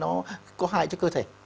nó không có hại cho cơ thể